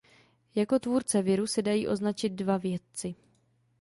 Jako tvůrce viru se dají označit dva vědci.